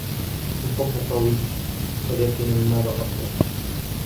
الحُب قوي, ولكن المال أقوى.